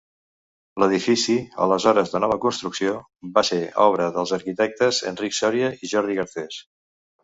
L'edifici, aleshores de nova construcció, va ser obra dels arquitectes Enric Sòria i Jordi Garcés.